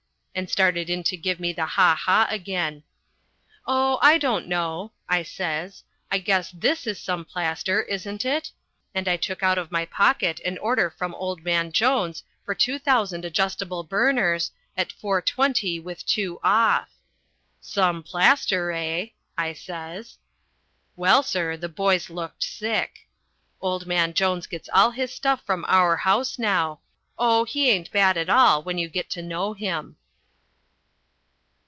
and started in to give me the ha! ha! again. "Oh, I don't know," I says. "I guess this is some plaster, isn't it?" and I took out of my pocket an order from old man Jones for two thousand adjustable burners, at four twenty with two off. "Some plaster, eh?" I says. Well, sir, the boys looked sick. Old man Jones gets all his stuff from our house now. Oh, he ain't bad at all when you get to know him.